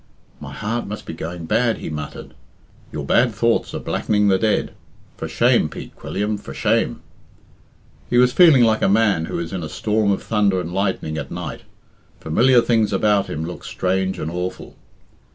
"My heart must be going bad," he muttered. "Your bad thoughts are blackening the dead. For shame, Pete Quilliam, for shame!" He was feeling like a man who is in a storm of thunder and lightning at night. Familiar things about him looked strange and awful.